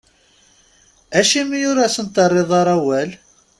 Acimi ur asen-terriḍ ara awal?